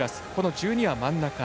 １２は真ん中。